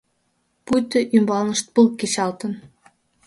Пуйто ӱмбалнышт пыл кечалтын.